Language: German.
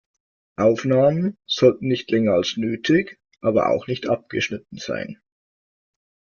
Aufnahmen sollten nicht länger als nötig, aber auch nicht abgeschnitten sein.